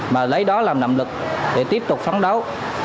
mà lấy đó làm nặng lực để tiếp tục phán đấu